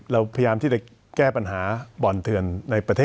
เราพยายามที่จะแก้ปัญหาบ่อนเถื่อนในประเทศ